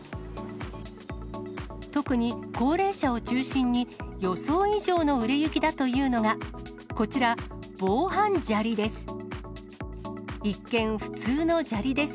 特に高齢者を中心に、予想以上の売れ行きだというのが、こちら、防犯砂利です。